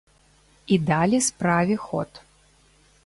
І далі справе ход.